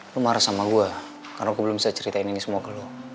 lu marah sama gue karena aku belum bisa ceritain ini semua ke lo